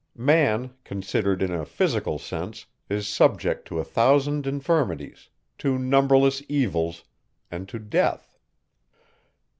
Man, considered in a physical sense, is subject to a thousand infirmities, to numberless evils, and to death.